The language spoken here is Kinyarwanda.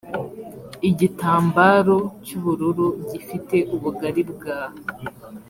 igitambaro cy’ubururu gifite ubugari bwa